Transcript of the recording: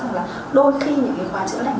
rằng là đôi khi những khoa chữa lành